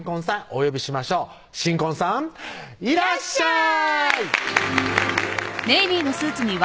お呼びしましょう新婚さんいらっしゃい！